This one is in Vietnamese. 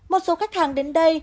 một số khách hàng đến đây